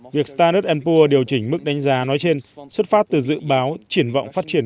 việc standard poor s điều chỉnh mức đánh giá nói trên xuất phát từ dự báo triển vọng phát triển